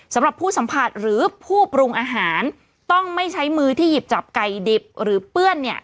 สำหรับผู้สัมผัสหรือผู้ปรุงอาหารต้องไม่ใช้มือที่หยิบจับไก่ดิบหรือเปื้อนเนี่ย